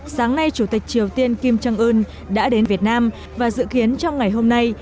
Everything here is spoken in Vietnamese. sáng nay chủ tịch triều tiên kim trân ưn đã đến việt nam và dự kiến trong ngày hôm nay